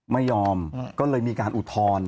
ไม่ยอมก็เลยมีการอุทธรณ์